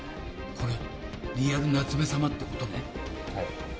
これ、リアル夏目様ってことはい。